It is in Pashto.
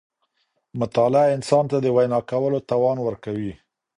مطالعه انسان ته د وینا کولو توان ورکوي.